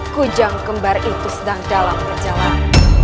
kujang kembar itu sedang dalam perjalanan